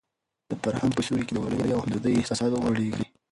د فرهنګ په سیوري کې د ورورولۍ او همدردۍ احساسات غوړېږي.